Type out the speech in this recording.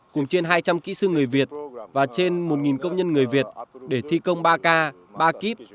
cùng trên hai trăm linh kỹ sư người việt và trên một công nhân người việt để thi công ba k ba kíp